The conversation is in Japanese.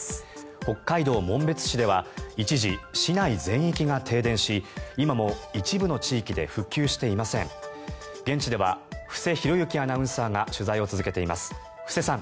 北海道紋別市では一時、市内全域が停電し今も一部の地域で復旧していません。